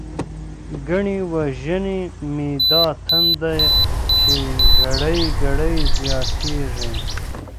گڼی وژنی می دا تنده، چی گړی گړی زیاتتیږی